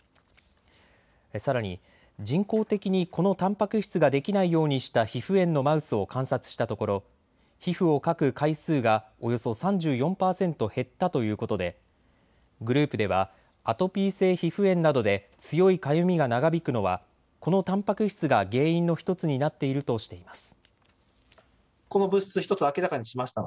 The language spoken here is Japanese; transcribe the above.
さらに人工的にこのたんぱく質ができないようにした皮膚炎のマウスを観察したところ皮膚をかく回数がおよそ３４％減ったということでグループではアトピー性皮膚炎などで強いかゆみが長引くのはこのたんぱく質が原因の１つになっているとしています。